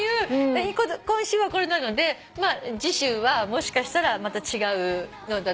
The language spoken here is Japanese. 今週はこれなので次週はもしかしたらまた違うのだと。